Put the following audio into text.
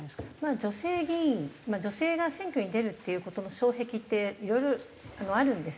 女性議員女性が選挙に出るっていう事の障壁っていろいろあるんですね。